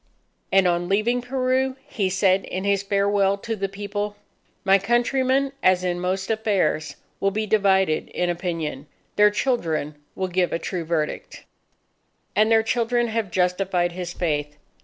And on leaving Peru, he said in his farewell to the People, "My countrymen, as in most affairs, will be divided in opinion their children will give a true verdict." And their children have justified his faith.